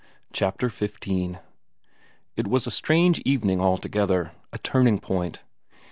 Chapter XV It was a strange evening altogether: a turning point.